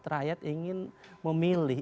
rakyat ingin memilih